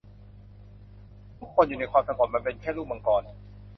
ทุกคนอยู่ในความสงบ มันเป็นแค่ลูกมังกร